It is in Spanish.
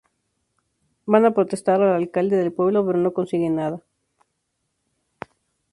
Van a protestar al alcalde del pueblo, pero no consiguen nada.